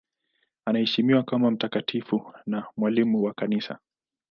Anaheshimiwa kama mtakatifu na mwalimu wa Kanisa.